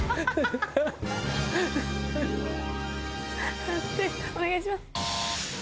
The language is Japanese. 判定お願いします。